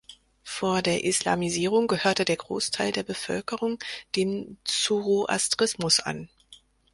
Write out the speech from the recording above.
Vor der Islamisierung gehörte der Großteil der Bevölkerung dem Zoroastrismus an.